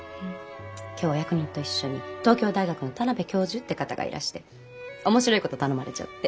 今日お役人と一緒に東京大学の田邊教授って方がいらして面白いこと頼まれちゃって。